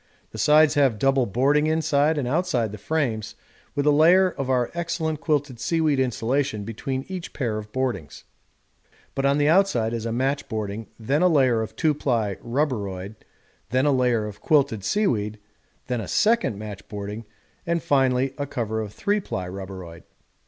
The sides have double boarding inside and outside the frames, with a layer of our excellent quilted seaweed insulation between each pair of boardings. The roof has a single matchboarding inside, but on the outside is a matchboarding, then a layer of 2 ply 'ruberoid,' then a layer of quilted seaweed, then a second matchboarding, and finally a cover of 3 ply 'ruberoid.'